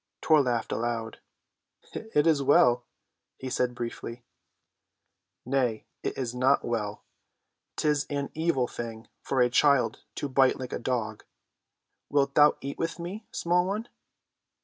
Tor laughed aloud. "It is well," he said briefly. "Nay, it is not well. 'Tis an evil thing for a child to bite like a dog. Wilt thou eat with me, small one?"